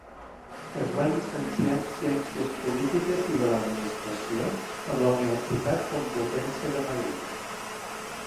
Es va llicenciar en Ciències Polítiques i de l'Administració per la Universitat Complutense de Madrid.